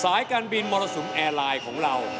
สายการบินมรสุมแอร์ไลน์ของเรา